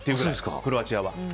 クロアチアは。